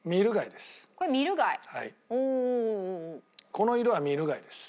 この色はミル貝です。